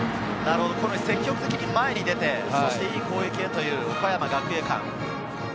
積極的に前に出て、そして、いい攻撃へという岡山学芸館。